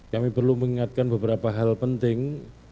kami perlu mengingatkan beberapa hal penting